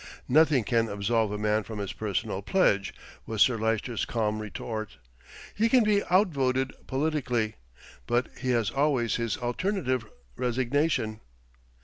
"Nothing can absolve a man from his personal pledge," was Sir Lyster's calm retort. "He can be outvoted politically; but he has always his alternative, resignation."